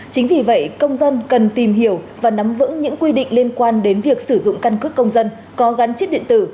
chính vì vậy công dân cần tìm hiểu và nắm vững những quy định liên quan đến việc sử dụng căn cước công dân có gắn chip điện tử